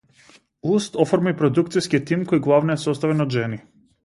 Луст оформи продукциски тим кој главно е составен од жени.